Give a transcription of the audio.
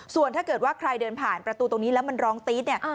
ส่วนถ้าเกิดว่าใครเดินผ่านประตูตรงนี้แล้วมันร้องตี๊ดเนี่ย